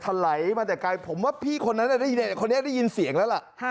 ถลายมาแต่ไกลผมว่าพี่คนนั้นคนนี้ได้ยินเสียงแล้วล่ะ